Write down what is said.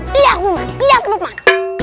liat bukman liat bukman